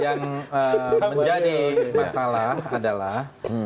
yang menjadi masalah adalah